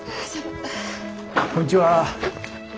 こんにちは。